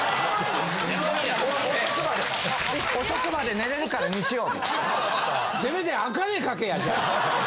遅くまで寝れるから日曜日。